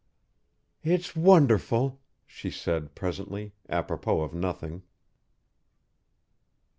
"It's wonderful," she said presently, apropos of nothing.